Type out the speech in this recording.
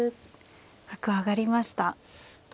角上がりました。